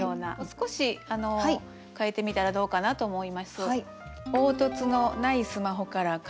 少し変えてみたらどうかなと思います。